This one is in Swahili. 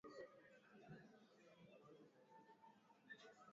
pengine kusiwe na kinyongo ame amenifurahisha sana profesa